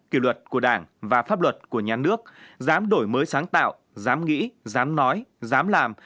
kỷ luật của đảng và pháp luật của nhà nước dám đổi mới sáng tạo dám nghĩ dám nói dám làm